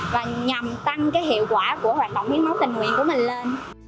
và nhằm tăng hiệu quả của hoạt động hiến máu tình nguyện của mình lên